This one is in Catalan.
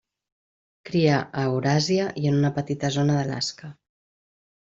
Cria a Euràsia i en una petita zona d'Alaska.